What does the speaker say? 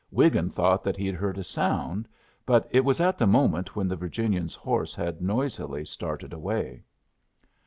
Wiggin thought that he had heard a sound, but it was at the moment when the Virginian's horse had noisily started away.